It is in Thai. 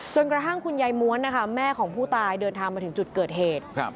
กระทั่งคุณยายม้วนนะคะแม่ของผู้ตายเดินทางมาถึงจุดเกิดเหตุ